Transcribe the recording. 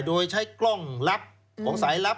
โดยใช้กล้องลับของสายลับ